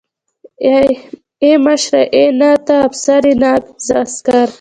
ای مشره ای نه ته افسر يې نه زه عسکر.